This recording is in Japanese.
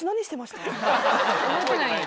覚えてないんや。